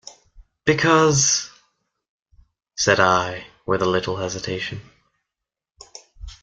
"Because —" said I with a little hesitation.